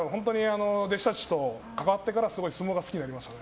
弟子たちと関わってから相撲が好きになりましたね。